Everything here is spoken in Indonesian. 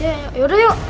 eh yaudah ya